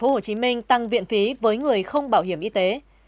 hà nội tp hcm tăng viện phí với người không bảo hiểm y tế